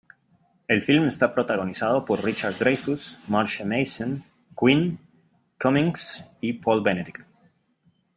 El film está protagonizado por Richard Dreyfuss, Marsha Mason, Quinn Cummings y Paul Benedict.